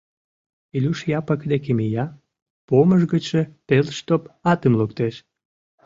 Илюш Япык деке мия, помыш гычше пелштоп атым луктеш.